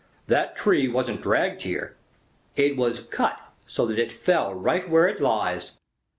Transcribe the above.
That tree wasn't dragged here; it was cut so that it fell right where it lies."